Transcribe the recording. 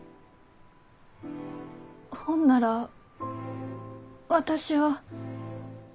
ほんなら私は。